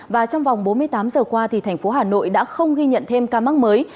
và trong vòng bốn mươi tám giờ qua thành phố hà nội đã không ghi nhận thêm ca mắc mới